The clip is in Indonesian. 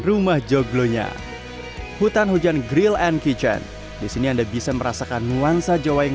rumah joglonya hutan hujan grill and kitchen disini anda bisa merasakan nuansa jawa yang